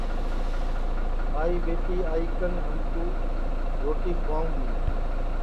تو ٻائی ٻیٹی آئی کن ہمکُو روٹی کُھوائیو گی